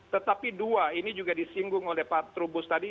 tetapi dua ini juga disinggung oleh pak trubus tadi